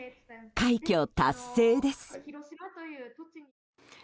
快挙達成です。